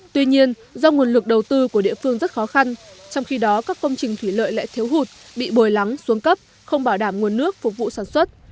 tuy nhiên do nguồn lực đầu tư của địa phương rất khó khăn trong khi đó các công trình thủy lợi lại thiếu hụt bị bồi lắng xuống cấp không bảo đảm nguồn nước phục vụ sản xuất